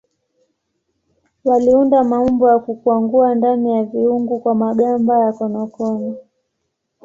Waliunda maumbo na kukwangua ndani ya viungu kwa magamba ya konokono.